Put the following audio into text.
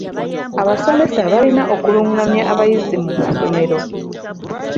Abasomesa balina okulungamya abayizi mu masomero.